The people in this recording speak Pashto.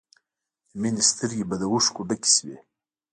د مینې سترګې به له اوښکو ډکې شوې